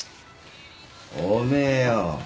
おめえよ。